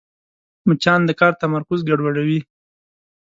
مچان د کار تمرکز ګډوډوي